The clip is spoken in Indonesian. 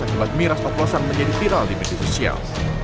akibat miras oplosan menjadi viral di media sosial